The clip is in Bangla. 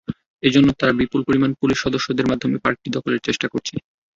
এজন্য তারা বিপুল পরিমাণ পুলিশ সদস্যদের মাধ্যমে পার্কটি দখলের চেষ্টা করছে।